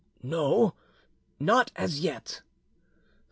"No, not as yet."